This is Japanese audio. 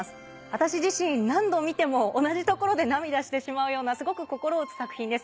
私自身何度見ても同じところで涙してしまうようなすごく心打つ作品です。